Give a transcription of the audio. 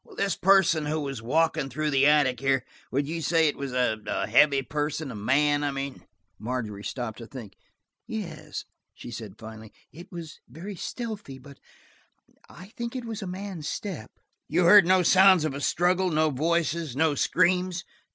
"This person who was walking through the attics here–would you say it was a heavy person? A man, I mean?" Margery stopped to think. "Yes," she said finally. "It was very stealthy, but I think it was a man's step." "You heard no sound of a struggle? No voices? No screams?"